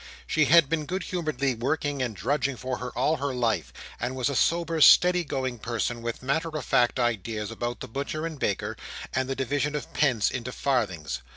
She had been good humouredly working and drudging for her life all her life, and was a sober steady going person, with matter of fact ideas about the butcher and baker, and the division of pence into farthings.